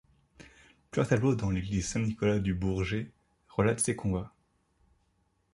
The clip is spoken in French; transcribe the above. Plusieurs tableaux, dans l'église Saint-Nicolas du Bourget, relatent ces combats.